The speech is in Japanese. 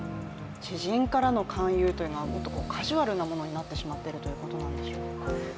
知人からの勧誘というのがカジュアルなものになってしまっているということでしょうか。